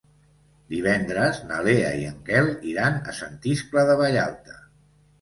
Divendres na Lea i en Quel iran a Sant Iscle de Vallalta.